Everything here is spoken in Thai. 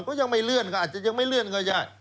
ก็ยังไม่เลื่อนก็อาจจะยังไม่เลื่อนก็ได้